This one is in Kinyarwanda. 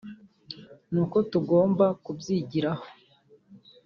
ni uko tugomba kubyigiraho